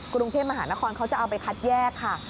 กรุงเทพมหานครเขาจะเอาไปคัดแยกค่ะ